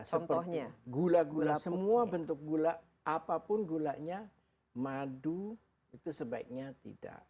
contohnya gula gula semua bentuk gula apapun gulanya madu itu sebaiknya tidak